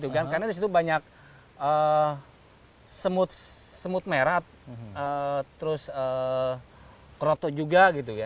karena di situ banyak semut merat terus kerotok juga